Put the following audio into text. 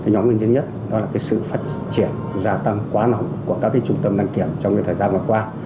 nhóm nguyên nhân nhất đó là sự phát triển gia tăng quá nóng của các trung tâm đăng kiểm trong thời gian vừa qua